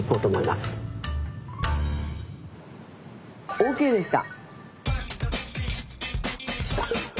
ＯＫでした！